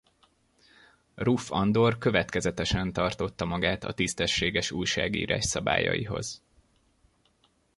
Ruff Andor következetesen tartotta magát a tisztességes újságírás szabályaihoz.